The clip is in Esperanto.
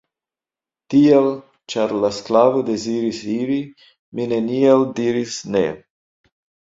Tial, ĉar la sklavo deziris iri, mi nenial diris ne.